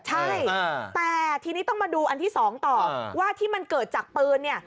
ใช่แต่ทีนี้ต้องมาดูอันที่๒ต่อว่าที่มันเกิดจากปืนเนี่ย